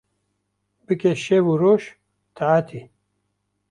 Bike şev û roj taetê